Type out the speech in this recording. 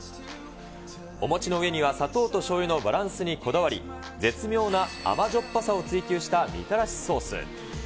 お餅の上には砂糖としょうゆのバランスにこだわり、絶妙な甘じょっぱさを追求したみたらしソース。